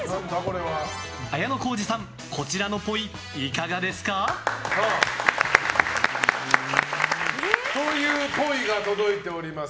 綾小路さん、こちらのっぽいいかがですか？というっぽいが届いております。